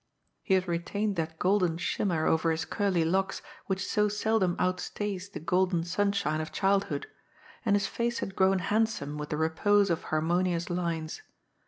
He had retained that golden shimmer over his curly locks which so seldom outstays the golden sunshine of childhood, and his face had grown handsome with the repose of harmonious lines.